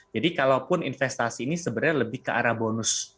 jadi kalaupun investasi ini sebenarnya lebih ke arah bonus